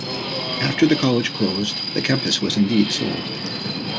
After the college closed, the campus was indeed sold.